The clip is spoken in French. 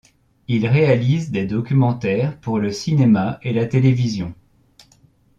Il réalise des documentaires pour le cinéma et la télévision.